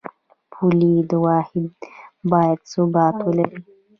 پولي واحد باید ثبات ولري